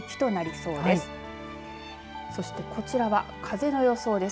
そして、こちらは風の予想です。